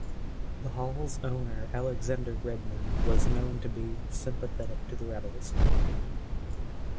The Hall's owner, Alexander Redmond, was known to be sympathetic to the rebels.